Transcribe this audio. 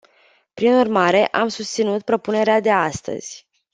Prin urmare, am susținut propunerea de astăzi.